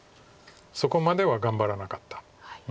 そこまでは頑張らなかった。